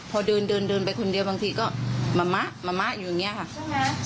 พอเดินไปคนเดียวบางทีก็แม่มาแม่มาอยู่อย่างนี้ค่ะ